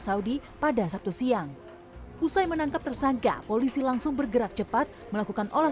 saudi pada sabtu siang usai menangkap tersangka polisi langsung bergerak cepat melakukan olah